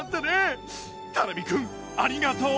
たら実くんありがとう。